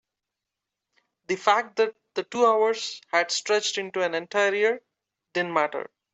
the fact that the two hours had stretched into an entire year didn't matter.